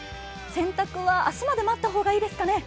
洗濯は明日まで待った方がいいですかね？